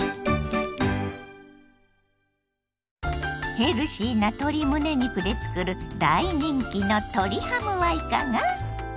ヘルシーな鶏むね肉でつくる大人気の鶏ハムはいかが？